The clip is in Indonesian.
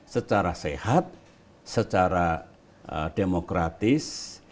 secara sehat secara demokratis